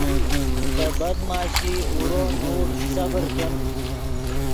تے بد معاشی اورو نوڑ صبر کن